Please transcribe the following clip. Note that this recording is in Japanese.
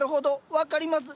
分かります。